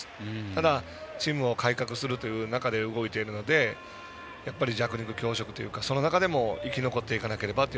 ただは改革するという中で動いていますので弱肉強食といいますか、その中でも生き残っていかなければと。